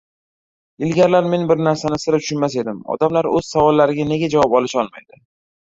Ilgarilari men bir narsani sira tushunmas edim: odamlar o‘z savollariga nega javob olisholmaydi?